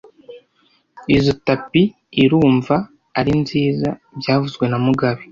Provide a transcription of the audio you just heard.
Izoi tapi irumva ari nziza byavuzwe na mugabe